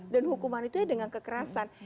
dan hukuman itu ya dengan kekerasan